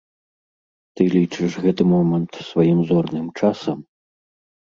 Ты лічыш гэты момант сваім зорным часам?